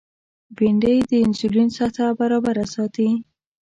بېنډۍ د انسولین سطحه برابره ساتي